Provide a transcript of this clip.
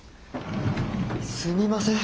すみません。